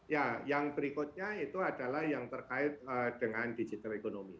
ya yang berikutnya itu adalah yang terkait dengan digital economy